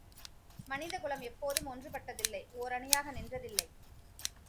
மனிதகுலம் எப்போதும் ஒன்று பட்டதில்லை ஓரணியாக நின்றதில்லை!